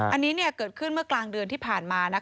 อันนี้เกิดขึ้นเมื่อกลางเดือนที่ผ่านมา